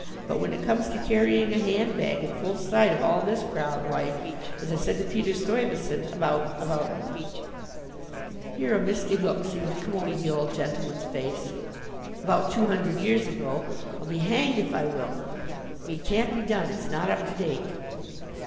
But when it comes to carrying a handbag in full sight of all this crowd, why, as I said to Peter Stuyvesant about about" here a misty look seemed to come over the old gentleman's face "about two hundred years ago, I'll be hanged if I will. It can't be done. It's not up to date."